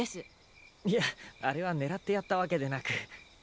いやあれは狙ってやったわけでなく。